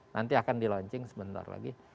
nanti akan di launching sebentar lagi